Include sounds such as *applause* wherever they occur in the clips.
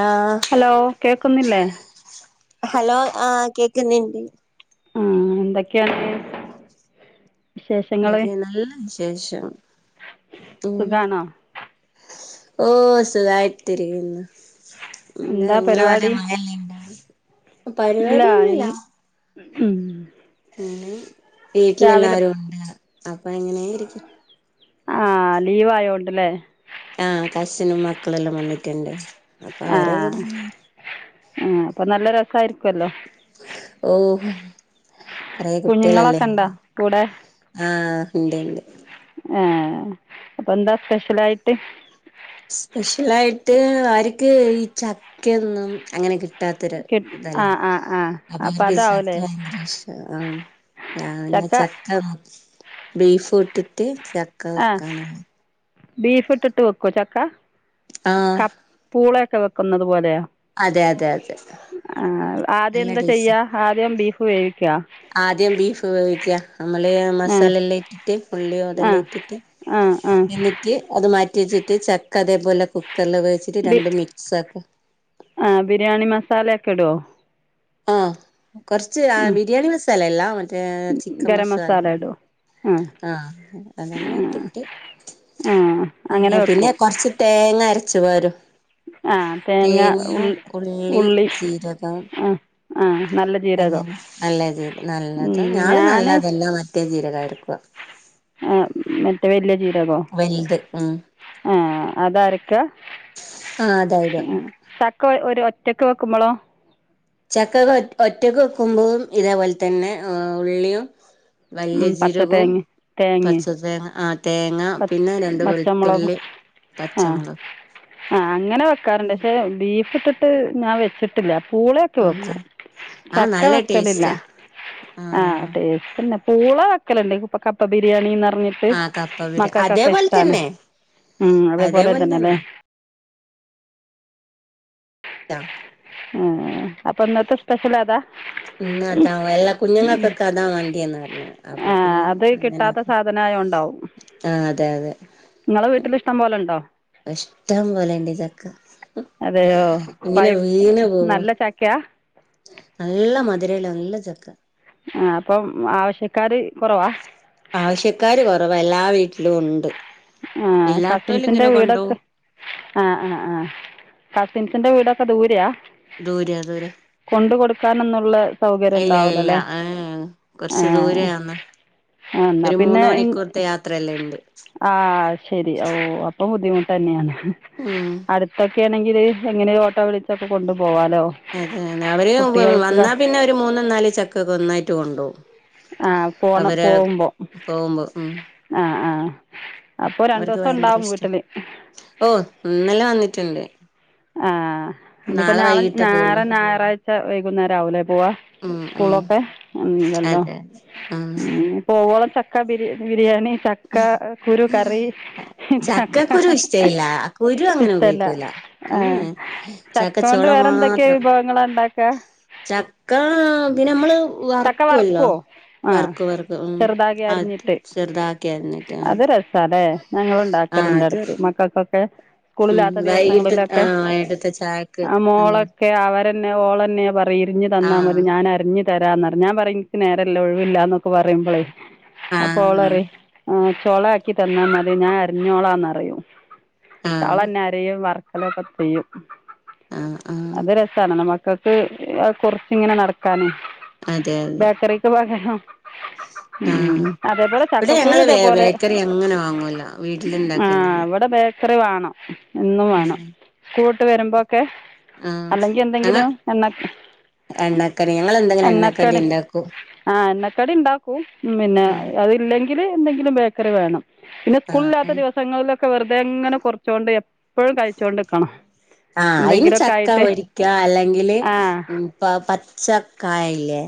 ആഹ് hello കേക്കുന്നില്ലേ hello ആഹ് കെകുന്നുണ്ട് ആഹ എന്തൊക്കെയാണ് വിശേഷങ്ങള് എന്ത് നല്ല വിശേഷം ഉ സുഖാണോ ഓ സുഗമായിട്ടിരിക്കുന്നു എന്താ നിങ്ങള അവിടെ മഴ അല്ലെ ഇല്ല പരിപാടിയൊന്നുല്ല ഇന്ന് ഉം പിന്നെ രാവിലെ വീട്ടിലെല്ലാരും ഉണ്ട് അപ്പൊ എങ്ങനെയിരിക്കും ആ ലീവായോണ്ട്ലെ ആ കസിനും മക്കളെല്ലാം വന്നിട്ട്ണ്ട് അപ്പൊ അവരെ കൂടെങ്ങന ആ അപ്പൊ നല്ല രസായിരിക്കുവല്ലോ ഓ കൊറ കൊറെകുട്ടിളല്ലേ കുഞ്ഞുങ്ങളൊക്കെ ഇണ്ടോ കൂടെ ആ ഇണ്ട്ണ്ട് ഏ അപ്പൊ എന്താ സ്പെഷ്യലായിട്ട് സ്പെഷ്യലായിട്ട് അവര്ക്ക് ഈ ചക്കെ ന്നും അങ്ങനെ കിട്ട് ട്ടാത്തൊരു കിട് ഇതല്ല ആഹ് ആഹ് ആഹ് അപ്പൊ അവര്ക്ക് അതാവുല്ലേ വ യങ്കര ഇഷ്ട ആ ഞാൻ പിന്നെ ചക്ക ബീഫു ഇട്ടിട്ട് ചക്ക ആഹ് വെക്കാന്ന് ബീഫ് ഇട്ടിട്ട് വെക്കു ചക്ക ആഹ് ക പൂളയൊക്കെ വെക്ക്ന്നതു പോലെയൊ അതെ അതെ അതെ ആ ആദ്യം നല്ല എന്താ ടേസ്റ്റ് ചെയ്യാ ആദ്യം ബീഫ് വേവിക്കാ ആദ്യം ബീഫ് വേവിക്ക നമ്മ ല്ലെയാ ആ മസാലെല്ലാ ഇട്ടിട്ട് ഉള്ളി യൊ ആ അതെല്ലാ ഇട്ടിട്ട് ആ ആ എന്നിട്ട് അത് മാ റ്റിച്ചിട്ട് ചക്ക അതേപോലെ കുക്കറില് വേവിച്ചിട്ട് ബി രണ്ടും മിക്സ് ആക്ക് ആ ബിരിയാണി മസാലയൊക്കെ ഇടോ ആ കൊറച്ച് ആ ബിരിയാണി മസാലയല്ല മറ്റേ ചിക്കൻ ഗരം മസാല ഇടുവോ ആ ആ അതല്ലട്ടിട്ട് ആ അങ്ങനെ പിന്നെ വെക്കും പിന്നെ ആ തേങ്ങ തേങ്ങയും ഉള്ളി ഉള്ളി ജീരകം ആ ആ നല്ല ജീ പിന്നെ എന്താ നല്ല ജീരം നല്ലത് ഞാള് ഞാന് നല്ലതെല്ല മറ്റേ ജീരക എട്ക്കു ആ മറ്റേ വല്ല്യ ജീ വൽത് ഉം അത് അരക്ക് ആ അതായിട് ക്ക ഒ ഒരു ഒറ്റക്ക് വെക്കുമ്പളോ ചക്കക്ക ഒറ്റ ഒറ്റക്ക് വെക്കുമ്പം ഇതേപോൽ തന്നെ ഏ ഉള്ളിയും വല്ല്യ ഉം പച്ച ജീരകവും തേങ്ങ തേങ്ങയും പച്ച തേങ്ങ ആ തേങ്ങ പച്ച പിന്നെ രണ്ട് പച്ചമുളകും വെള്ത്തുള്ളി ആ പച്ചമൊള് ആ അങ്ങനെ വെക്കാറ്ണ്ട് പക്ഷെ ബീഫ് ഇട്ടിട്ട് ഞാൻ വെച്ചിട്ടില്ല പൂളൊക്കെ വെക്കും ആഹ് ചക്ക നല്ല വെക്കലില്ല ടേസ്റ്റാ ആ ആഹ് ടേസ്റ്റ്ന്ന പൂള വെക്കല്ണ്ട് ഇപ്പ കപ്പ ബിരിയാണിന്ന പർഞ്ഞിട്ട് ആഹ് കപ്പ ബിരിയാണി മക്കക്കൊക്കെ അതേപോലെ ഇഷ്ടാണ് തന്നെ മ് അതേപോലെ തന്നെല്ലേ ആ ഏ അപ്പൊന്നത്തെ സ്പെഷ്യൽ അതാ ഇന്നത്താവോ എല്ലാ കുഞ്ഞുങ്ങക്കൊക്കതാ വാണ്ടിയെന്ന് കാര്ണം അപ്പൊ ആ പിന്നെ അത് കിട്ടാത്ത അങ്ങനെയൊക്കെ സാധനം ആയതുകൊണ്ടാവും ആ അതെ അതെ നിങ്ങളെ വീട്ടിൽ ഇഷ്ടം പോലെ ഉണ്ടോ ഇഷ്ടം പോലെണ്ട് ചക്ക അതെയോ ഇങ്ങനെ പഴ് വീണ് പോവാ നല്ല ചക്കയാ നല്ല മധ് രെള്ള നല്ല ചക്ക ആഹ് അപ്പം ആവശ്യക്കാര് കൊറവാ? ആവശ്യക്കാര് കൊറവ എല്ലാ വീട്ടിലു ഉണ്ട്. ആഹ് ഇല്ലാത്തോല് കസിൻസിന്റെ ഇങ്ങനെ വീടൊക്കെ കൊണ്ടോവും ആഹ് ആഹ് ആഹ് കസിൻസിന്റെ വീടൊ ക്ക ദൂരെയാ? ദൂരെയ ദൂരെ കൊണ്ട് കൊടുക്കാനൊന്നുള്ള സൗകര്യം ഇല്ല ഉണ്ടാവില്ല ഇല്ല അല്ലേ ഏ ആ കൊറച്ചു ദൂരയാന്ന്. ആ എന്നാൽ ഒരു മൂന്ന് മണിക്കൂർത്തെ യാത്രയല്ല ഇണ്ട്. ആഹ് ശരി ഓ അപ്പൊ ബുദ്ധിമുട്ട് ന്നെയാണ് ഉം അട്ത്ത് ഒക്കെ ആണെങ്കിൽ അങ്ങനെ ഓട്ടോ വിളിച്ചൊക്ക കൊണ്ടു അതെ അവര് ക- വന്നാൽ പിന്നെ ഒരു മൂന്നും നാല് ചക്കക്കെ ഒന്നായിട്ട് കൊണ്ടോും. ആഹ് പോന്ന പോവുമ്പോ പോകുമ്പോ ഉം ആഹ് ആഹ്. അവർക്ക് ഭയങ്കര ഇഷ്ടം ഓ ഇന്നെല്ലാം വന്നിട്ടുണ്ട്. ആഹ് ഇനിപ്പോ നാളെ ഞാളെ വൈകിട്ടേ ഞെറ പോവുള്ളൂ ഞാറായ് വൈകുന്നേരം ആവൂലെ പോവാ ഉം ഉം സ്കൂളൊക്കെ ഉണ്ടല്ലോ? അതെ ആ ഉ പോവോള ചക്ക ബിരി ബിരിയാണി ചക്ക കുരു കറി ചക്ക ചക്കക്കുരു ഇഷ്ടയില്ല കുരു അങ്ങനെ ഇഷ്ടല്ല. ഉപയോഗിക്കൂല ഉം ആഹ് ചക്ക കൊണ്ട് ചക്കച്ചോള വേറെ എന്തൊക്കെയ മാത്രം വിഭവങ്ങളാ ഉണ്ടാ ചക്ക പിന്നെ നമ്മള് ചക്ക വറക്കുവല്ലോ. വറക്കുവോ ആഹ് വറക്കും വറക്കും ഉം ചെറുതാകെ അത് അരിഞ്ഞിട്ട് ചെറുതാക്കി അരിഞ്ഞിട്ട് അത് രസല്ലെ ഞങ്ങള് ആ ഇണ്ടാക്കലണ്ട് അത് എടക്ക് മക്കക്കെ ക്കെ ഉം സ്കൂളില്ലാത്ത വൈകിട്ട് ആ ദിവസങ്ങളിലൊക്കെ വൈകിട്ടത്തെ ചായക്ക് ആ നല്ല മോളൊക്കെ അവര ന്നെ ഓളന്നെ പറയിരിഞ്ഞു ആ തന്നാ മതി ഞാൻ അരിഞ്ഞു തരാന്ന ഞാൻ പറേം എന്ക്ക് നേര വില്ല ഒഴിവില്ലന്നൊക്കെ പറയുമ്പളേ ആ അപ്പോളറേം ആ ആഹ് ചോള ആക്കി തന്നാ മതി ഞാൻ അരിഞ്ഞോളാന്ന്റേയും ട്ടാവള്ളന്നെ ആ അരേം വറ ക്കലൊക്കെ ചെയ്യും ആ ആ അത് രസാണ് നമ്മ മക്കക്ക് കൊറിച്ചിങ്ങനെ നടക്കാനേ അതെ അതെ *unintelligible* ഉം ആ അതേപോലെ ഇവിടെ ചക്കക്കുരു ഞങ്ങള് ബേ ഇതേപോലെ ബേക്കറി അങ്ങനെ വാങ്ങൂല വീട്ടിലുണ്ടാക്കന്നെ ആഹ് ചെയ്യ ഇവടെ ബേ ക്കറി വാണം എന്നും വേണം ഉം സ്‌ക്കുവിട്ട് വരുമ്പോ ക്കെ ആഹ് അല്ലെങ്കി ഞങ്ങ എന്തെങ്കിലും എണ്ണ എണ്ണക്കടി ഞങ്ങള് എന്തെങ്കിലും എണ്ണക്കടി ണ്ടാക്കും ആഹ് എണ്ണക്കടി ഉണ്ടാക്കൂ പിന്നെ ഉം അത് ഇലെങ്കില് എന്തെങ്കിലും ബേക്കറി വേണം പിന്നെ ആഹ് സ്കൂളില്ലാത്ത ആഹ് ദിവസങ്ങളിലൊക്കെ വെറുതെ എങ്ങനെ കോറിച്ചോണ്ടേ എപ്പോഴും കഴിച്ചോണ്ടിക്കണം ആഹ് അയിന് ചക്ക പൊരിക്ക അല്ലെങ്കില് ആ പ പച്ചക്കായ ഇല്ലേ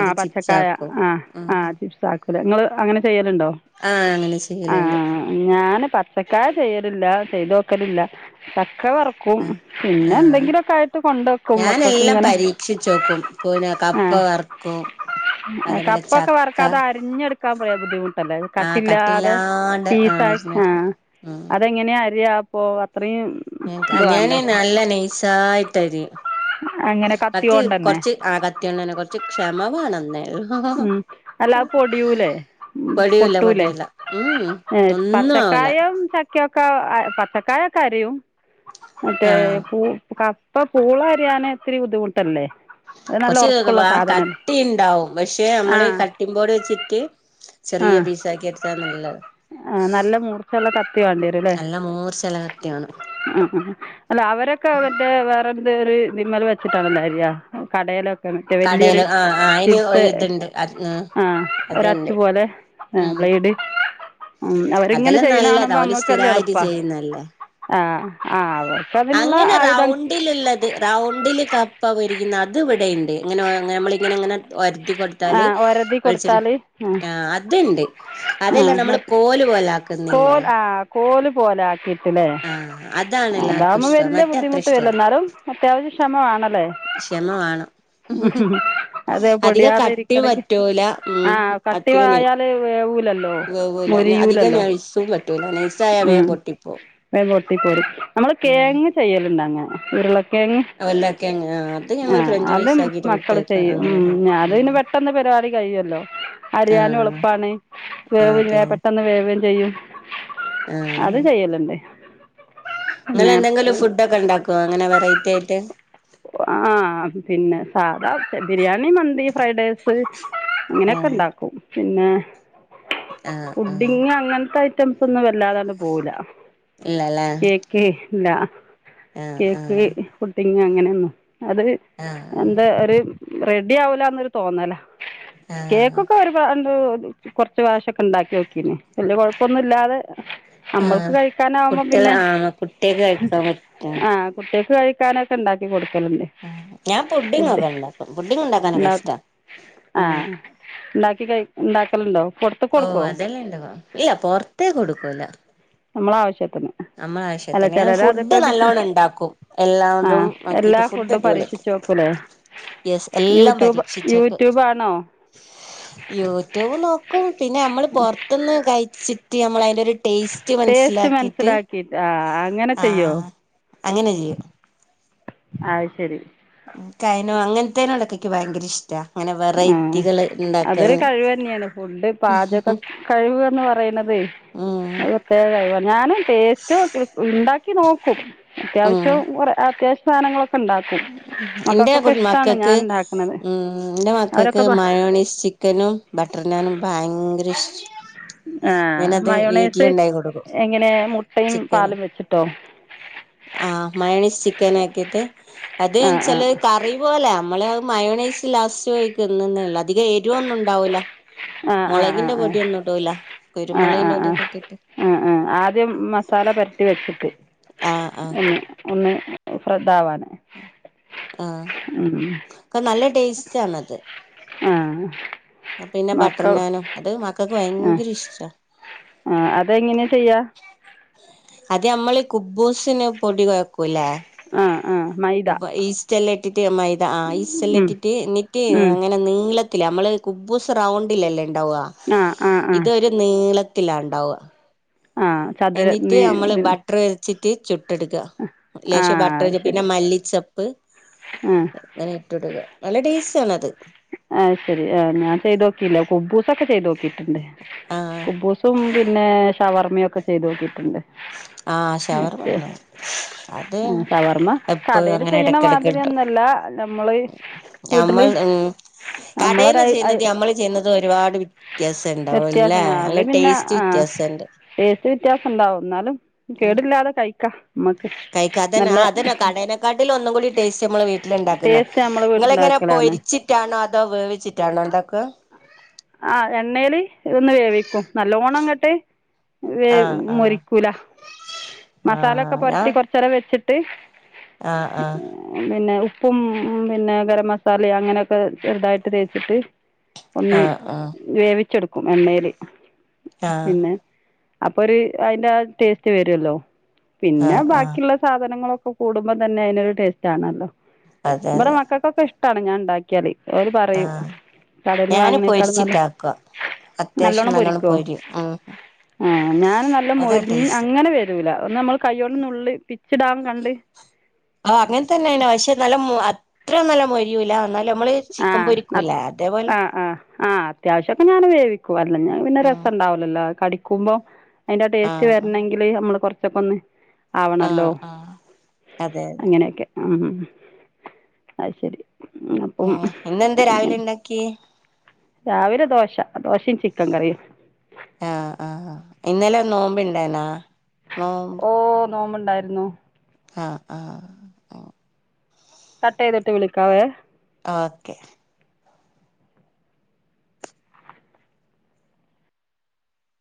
ആഹ് പച്ചക്കായ ആഹ് ആഹ് ചിപ്സ് ആക്കുലേ നിങ്ങള് അങ്ങനെ ചെയ്യ ലുണ്ടോ ആഹ് അങ്ങനെ ചെയ്യലുണ്ട് ആഹ് ഞാന് പച്ചക്കായ ചെയ്യലില്ല ചെയ്തോക്കലില്ല ച ക്ക വറക്കും ആഹ് പിന്നെ ആഹ് എന്തെങ്കിലുക്കെ ആയിട്ട് കൊണ്ടേ വെക്കും ഞാനെല്ലാം മക്കക്കിങ്ങനെ പരീക്ഷിച്ചോക്കും പിന്നെ കപ്പ വറക്കും അതേപോലെ കപ്പൊക്കെ ചക്ക വറക്കാത് അരിഞ്ഞെടുക്കാ ബുദ്ധിമുട്ടല്ലേ ആഹ് കട്ടില്ലാതെ കട്ടില്ലാണ്ട് പീസാ *unintelligible* ആഹ് അതെങ്ങനെയാ അരിയപ്പോ ഞങ്ങ്ക്ക് ഞാന് നല്ല നൈസായിട്ട് അരിം അങ്ങനെ കത്തി *unintelligible* കൊണ്ടന്നെ കൊർച്ച് ആഹ് കത്തിയൊണ്ടെന്നെ കൊർച്ച് ക്ഷമ വാണം ന്നെ ഉം അല്ലാ അയ് പൊടിയൂലെ? പൊടിയൂല പൊട്ടുലെ പൊടിയൂല ഉം ഏഹ് ഒന്നും ആവൂല പച്ചക്കായം ചക്കൊ ക്ക പച്ചക്കായ ഒക്കെ അരയും മറ്റേ ആഹ് പൂ ക പ്പ പൂള അരിയാന് ഇത്തിരി ബുദ്ധിമുട്ട് അല്ലെ? കൊർച്ച് വാ കട്ടി ഇണ്ടാവും പക്ഷെ പക്കെ ആ നമ്മള് കട്ടിപോട് വെച്ചിട്ട് ആ ചെറിയ പീസ ആക്കി എടുത്താ നല്ലത് ആ നല്ല മൂർച്ചയുള്ള കത്തി വേണ്ടി വരും അല്ലേ എല്ല നൂറ് സ്ഥല കത്തിയാണ് ആ അല്ല അവരൊക്കെ അവന്റെ വേറെന്ത ഒരു നിമ്മൽ വെച്ചിട്ടാണല്ലാര്രിയ കടയിലൊ മ വലിയൊരു കടേല് ആഹ് ആഹ് അയിന് ചിപ്സ് ഒരിതുണ്ട് അത് ആഹ ഒച്ചു അത്ണ്ട് പോലെ ആ ഉം ബ്ലൈഡ് ഉ അവരിങ്ങനെ അതെല്ലാം ചെയ്യണാണുമ്പോ നല്ലതാ ഓല് നമ്മക്കല്ലാം എളുപ്പ സ്ഥിരായിട്ട് ചെയ്യുന്നല്ലേ ആഹ ആ അവ അങ്ങനെ റൗണ്ടിൽള്ളത് റൗണ്ടില് കപ്പരിക്കുന്ന അത് ഇവിടെണ്ട് ഇങ്ങനെ നമ്മള ഇങ്ങനെ ഇങ്ങനെ ഒരുത്തി ആ കൊടുത്താല് ഒരതി വെളിച്ച- കൊടുത്താൽ ആ അത് ഉണ്ട് ആ അതെല്ല നമ്മൾ മറ്റ് കോല് പോലെ ആക്കുന്നില്ലേ കോൽ ആ കോല് പോലെ ആക്കിട്ടില്ലേ ആഹ് അതാണ് എല്ലാർക്കും അതാവകുമ്പോ ഇഷ്ടം വലിയ മറ്റേ അത്ര ബുദ്ധിമുട്ട് വരില്ല ഇഷ്ടല്ല എന്നാലും അത്യാവശ്യം ക്ഷമ വേണ്ടമണല്ലേ ക്ഷമ വേണം അതെ അധികം പൊടിയാതെ കട്ടി ഇരിക്കണെങ്കി പറ്റൂല ഉം ആ കട്ടി കട്ടിയാണ് ആയാല് വേവൂലല്ലോ വേവൂല അധികം മൊരിയൂലല്ലോ നൈസ്സും പറ്റൂല നൈസായാൽ ഉം വേഗം പൊട്ടിപ്പോ വേഗം പൊട്ടി പോരും നമ്മള് കിഴങ്ങ് ചെയ്യലുണ്ട് അങ്ങനെ ഉരുള- അവല്ലക്കെ അത് ഞങ്ങള് ഫ്രഞ്ച് ഫ്രൈസ് അതും ആക്കിട്ട് മക്കള് കുട്ടികൾക്ക് ചെയ്യും അങ്ങനെ ഉം അത് പിന്നെ പെട്ടെന്ന് പരിപാടി കഴിയുമല്ലോ അരിയാനും ആഹ് എളുപ്പാണ് ആഹ് വേവും വേ അതെ പെട്ടെന്ന് വേവുകയും ചെയ്യും അത് ചെയ്യലണ്ടേ നിങ്ങള് എന്തെങ്കിലും ഫുഡ ഒക്കെ ഉണ്ടാക്കോ അങ്ങനെ വെറൈയ്റ്റി ആയിട്ട് ആ പിന്നെ സാധാ ബിരിയാണി മന്തി ഫ്രൈഡ് റൈസ് അങ്ങനൊക്കെ ആഹ് ഉണ്ടാക്കും പിന്നെ ആഹ് ആഹ് ഫുഡിങ്ങ് അങ്ങനത്തെ ഐറ്റംസ് ഒന്നും വല്ലാതെ അങ്ങട് പോവൂല ഇല്ലല്ലേ കേക്ക് ഇല്ല ആഹ് കേക്ക് ആഹ് ഫുഡിംങ്ങ് അങ്ങനെയന്നും അത് ആഹ് എന്താ ഒരു റെഡി ആവൂലന്നൊരു തോന്നല ആഹ് കേക്കൊക്കെ ഒരു പ്രാ- കൊറച്ച് പ്രാവശ്യക്കെ ഉണ്ടാക്കി നോക്കീന് വല്ല കുഴപ്പൊ ഇല്ലാതെ ആഹ് നമ്മൾക്ക് കഴിക്കാൻ ആവുമ്പോ കുട്ടികള് പിന്നെ ആഹ് കുട്ടികൾക്ക് കഴിക്കാൻ ആ പറ്റുന്നത് കുട്ടികൾക്ക് കഴി- ക്കാനൊക്കെയുണ്ടാക്കി കൊടു ഉം ഞാൻ ഫുഡിങ്ങ്ഒക്കെ ഉണ്ടാക്കും ഫുഡിങ്ങ് ഉണ്ടാക്കാനൊക്കെ ഇഷ്ട ഉണ്ടാക്കും ആ ഉണ്ടാക്കി കഴി ഉണ്ടാക്കലുണ്ടോ പുറത്ത്ക്ക് ഓ കൊടുക്കോ അതെല്ലാം ഉണ്ടാക്കും ഇല്ല പൊറത്തേ കൊടുക്കൂല നമ്മളെ ആവശ്യത്തിന് നമ്മള അല്ല ആവശ്യത്തിന് ചിലര് ഫുഡ് അതൊക്കെ ബിസിന നല്ലോണ്ണം ഉണ്ടാക്കും എല്ലാതും ആഹ് എല്ലാ ക്കീട്ട് ഫുഡ് ഫുഡും അടിപൊളി പരീക്ഷിച്ചു നോക്കൂലേ യെസ് എല്ലാം യൂട്യൂബ് പരീക്ഷിച്ചിട്ട് യൂട്യൂബ് ആണോ യൂട്യൂബ് നോക്കും പിന്നെ നമ്മള് പുത്തുന്ന് കഴി- ചിട്ട് നമ്മള് അതിൻ്റെ ഒരു ടേസ്റ്റ് മനസ്സിലാക്കിയിട്ട് ക്കിയിട്ട് ആ അങ്ങനെ ചെയ്യോ അങ്ങനെ ചെയ്യും ആത് ശരി കയനോ അങ്ങനത്തേനോടക്കെ എനിക്ക് ഭയങ്കര ഇഷ്ട അങ്ങനെ ആഹ് വെറൈറ്റികൾ അതൊരു കഴിവ് തന്നെയാണ് ഫുഡ് പാചക കഴിവ്ന്ന് പറയണതേ ഉം അത് പ്രത്യക കഴിവാ ഞാന് ടേസ്റ്റ് ഉണ്ടാക്കും നോക്കും ഉം അത്യാവശ്യം കു അത്യാവശ്യ സാധനങ്ങളൊക്കെ ഉണ്ടാക്കും എന്റെ മക്കൾക്കൊക്കെ ഇഷ്ടാണ് ഞാൻ ഉണ്ടാക്കുന്നത് എൻ്റെ മക്കൾക്ക് അവരൊക്കെ പ മയോണീസ് ചിക്കനും ബട്ടർനാനും ഭയങ്കര ഇഷ്ട ആ മയോണേസ് വീട്ടിലുണ്ടാക്കി കൊടുക്കും എങ്ങനെ മുട്ടയും പാലും വെച്ചിട്ടോ ആ മയോണേസ് ചിക്കൻ ആക്കിയിട്ട് അത് അ ആഹ് ചില ആഹ് കറി പോലെ നമ്മള് മയോണൈസി ലാസ്ററ്റ് ഒഴിക്കുന്നയുള്ള അധികം എരിവൊന്നും ഉണ്ടാവൂല ആ ആ ആ മൊളകിന്റെ ആ ആ പൊടിയൊന്നും ഇടുലാ കുരുമൊളകിന്റെ പൊടിയൊക്കെ ഇട്ടിട്ട് അഹ് ആദ്യം മസാല പൊര്ട്ടി വെച്ചിട്ട് ആഹ് ആഹ് ഒന്ന് ഒന്ന് പ്ര താവാൻ ആഹ് ക്കെ നല്ല ടേസ്റ്റ് ആണ് അത് ആഹ് ആഹ് പിന്നെ ബട്ടർ നാനോ അത് മക്കെക്ക് ഭയങ്കര ഇഷ്ടാ ആഹ് അത് എങ്ങെനെ ചെയ്യാ? അത് ഞമ്മെൾ കുബ്ബുസിന് പൊടി കെഴക്കുലെ? ആഹ് *unintelligible* ഈസ്റ്റ് എല്ലാം ഇട്ടിട്ട് മൈദ ആഹ് ഈസ്റ്റ് എല്ലാം ഉം ഇട്ടിട്ട് ഇന്നെട്ട് ഉം അങ്ങനെ നീള ത്തിൽ അമ്മെൾ കുബ്ബൂസ് റൗണ്ടിൽ അല്ലെ ഇണ്ടാവാ ആ ആ ആ ഇതൊര് നീള ത്തിലാ ഇണ്ടാവാ ആ ചതുര എന്നിട്ട് നീ അമ്മെൾ പിന്നെ ബട്ടെർ വിര്ച്ചിട്ട് ചു ട്ട് എട്ക്കാ ആ ലേശം ബട്ടെർ അത് പിന്നെ ശരി മല്ലിച്ചെപ്പ് ആ ഇങ്ങെനെ ഇട്ടൊട്ക്കാ നല്ല ടേസ് അഹ് ശരി ആഹ് ഞാൻ ചെയ്തോക്കിയില്ല കുബ്ബൂസൊക്കെ ചെയ്തോക്കി ക്കീട്ട് ഇണ്ട് ആഹ് കുബ്ബൂസും പിന്നെ ഷവെർ മ്മെ ഒക്കെ ചെയ്തോക്കീട്ട് ഇണ്ട് ആഹ് ഷവർമ മറ്റേ അല്ല അത് ആഹ് ഷവെർമ്മ എപ്പോഴും കടെൽ അങ്ങനെ ഇടക്കിടക്ക് ചെയ്യ്ണമാതിരി ഒന്നും ഉണ്ടാക്കും അല്ല ഞമ്മെൾ വീട്ട്ൽ കടയിൽന്ന് ചെയ്യുന്നത് നമ്മള് ചെയ്യുന്നത് ഒരുപാട് വ്യത്യാസം ഉണ്ടാവും അല്ലേ വ്യത്യാസന നല്ല ടേസ്റ്റ് വ്യത്യാസണ്ട് ടെസ്റ്റ്‌ വ്യത്യാസം ഉണ്ടാവും എന്നാലും കേടില്ലാതെ കഴിക്ക കൈക്കാം അത് തന്നെ കടേനക്കാട്ടിൽ ഒന്നും കൂടി ടേസ്റ്റ് നമ്മൾ വീട്ടല് ഇണ്ടാക്കുന്ന ടേസ്റ്റ് നമ്മള് നിങ്ങള് എങ്ങന പോ വീട്ടിലുണ്ടാക്കലാണ് വിരിച്ചിട്ടാണോ അ ആഹ് എണ്ണല് ഇതൊന്ന് വേവിക്കും നല്ലോണം അങ്ങ ട്ട് ആഹ് ആഹ് മൊരിക്കൂല മസാല ഒക്കെ ആഹ് ഞാ പുരട്ടി കൊറച്ച് നേരം വെച്ചിട്ട് ആഹ് ആഹ് പിന്നെ ഉപ്പും പിന്നെ ഗരം മസാല അങ്ങനെയൊക്കെ ചെറുതായിട്ട് തേച്ചിട്ട് ഒന്ന് ആഹ് ആഹ് വേവിച്ചെടുക്കും എണ്ണല് ആഹ് അപ്പൊ ഒരു അതിന്റെ ആഹ് ടേസ്റ്റ് വരുല്ലോ പിന്നെ ആഹ് ആഹ് ബാക്കിയുള്ള സാധനങ്ങളൊക്കെ കൂടുമ്പോ തന്നെ അതിനൊരു ടേസ്റ്റ് ആണല്ലോ അതെ ഇവിടെ അതെ മക്കൾക്കൊക്കെ ഇഷ്ടമാണ് ഞാൻ ഉണ്ടാക്കിയാല് പറയും ആഹ് കടൽനിന്ന് ഞാന് വാങ്ങണക്കാൾ നല്ല പൊരിച്ചിട്ടാക്കുക അത്യാവശ്യം നല്ലോണം നല്ലോണ്ണം പൊരിക്കോ പൊരിയും ഉം ആഹ് ഞാൻ നല്ല അതാ മൊരി ടേസ്റ്റ് അങ്ങനെ വരൂല ഒന്ന് നമ്മൾ കൈ്യോള്ളന്നുള്ളി പിച്ചിടാൻ കണ്ട് ആഹ് അങ്ങനെ തന്നെയണ് പക്ഷെ നല്ല അത്ര നല്ല മൊരിയൂല എന്നാലും നമ്മള് ചിക്കൻ ആഹ് അത് പൊരിക്കൂലേ അതേപോലെ ആഹ് അല്ല പിന്നെ ഉം രസം ഉണ്ടാവലല്ലോ കടിക്കുമ്പോം അതിന്റെ ടേസ്റ്റ് ആഹ് ആഹ് വരണമെങ്കിൽ നമ്മള് കുറ ച്ചക്കെ ഒന്ന് ആവണല്ലോ ആഹ് ആഹ് അതെ അതെ അങ്ങനെയൊക്കെ ഉം അയ്ശരി ഉം ഇന്ന്ന്താ രാവിലെ ഉണ്ടാക്കി രാവിലെ ദോശ ദോശയും ചിക്കൻ കറിയും ആഹ് ആഹ് ഇന്നലെ നോമ്പ് ഇണ്ടനാ നോ ഓ നോമ്പുണ്ടായിരുന്നു ആഹ് ആഹ് ആഹ് കട്ട്‌യ്ത്ട്ട് വിളിക്കാവേ ഓക്കെ